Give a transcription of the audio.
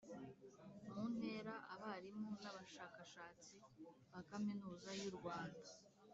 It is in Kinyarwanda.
mu ntera abarimu n abashakashatsi ba Kaminuza y u Rwanda